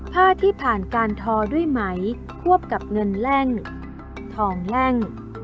ผ้าที่ผ่านการทอด้วยไหมควบกับเงินแล่งทองแล่ง